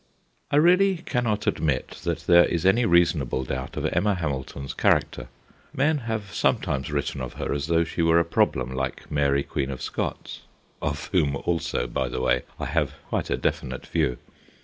I really cannot admit that there is any reasonable doubt of Emma Hamilton's char acter. Men have sometimes written of her as though she were a problem like Mary Queen of Scots of whom also, by the way, I have quite a definite view.